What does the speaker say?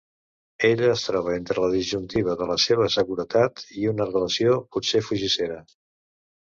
Ella es troba entre la disjuntiva de la seva seguretat i una relació potser fugissera.